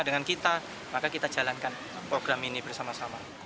dengan kita maka kita jalankan program ini bersama sama